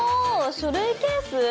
書類ケース？